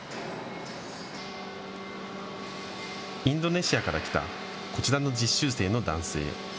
インドネシアから来たこちらの実習生の男性。